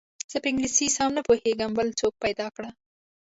زه په انګلیسي سم نه پوهېږم بل څوک پیدا کړه.